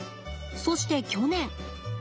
そして去年。